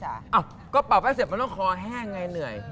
อ้าวก็เป่าให้เสร็จมันต้องคอแห้งไงเหนื่อย